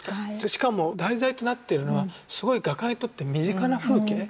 しかも題材となってるのはすごい画家にとって身近な風景。